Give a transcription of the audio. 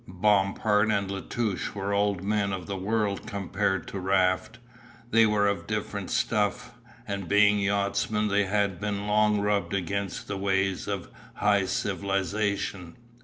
Bompard and La Touche were old men of the world compared to Raft; they were of different stuff, and being yachtsmen they had been long rubbed against the ways of high civilization.